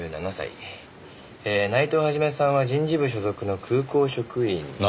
「内藤肇さんは人事部所属の空港職員で」